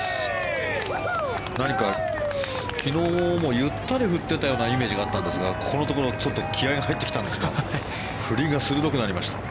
何か昨日もゆったり打っていたようなイメージがあったんですがここのところ気合が入ってきたんですか振りが鋭くなりました。